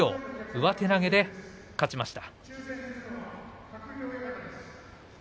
上手投げで勝ちました。